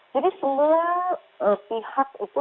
jadi semua pihak itu